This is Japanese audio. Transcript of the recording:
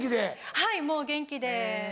はいもう元気で。